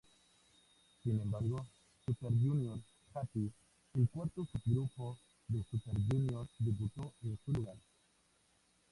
Sin embargo, Super Junior-Happy el cuarto subgrupo de Super Junior debutó en su lugar.